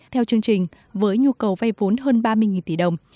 theo chương trình với nhu cầu vay vốn hơn ba mươi tỷ đồng